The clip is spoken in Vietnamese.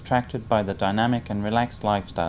và thân eve của chúng tôi